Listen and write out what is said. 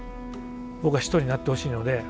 僕は人になってほしいので。